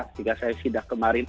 jika saya tidak kemarin